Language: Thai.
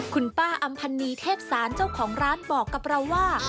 คุณป้าอำพันนีเทพศาลเจ้าของร้านบอกกับเราว่า